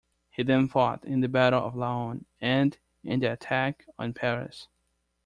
He then fought in the battle of Laon and in the attack on Paris.